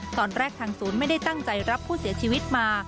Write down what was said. ตอนแรกทางศูนย์ไม่ได้ตั้งใจรับผู้เสียชีวิตมา